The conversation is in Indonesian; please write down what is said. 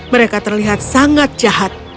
mereka terlihat sangat jahat